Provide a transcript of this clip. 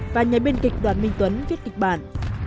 và nhà biên kịch đoàn minh tuấn viết kịch bản